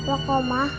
gak apa apa komah